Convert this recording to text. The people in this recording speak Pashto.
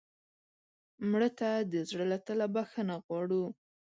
مړه ته د زړه له تله بښنه غواړو